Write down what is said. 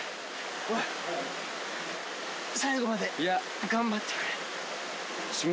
おい最後まで頑張ってくれいや